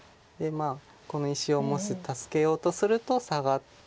この石をもし助けようとするとサガって。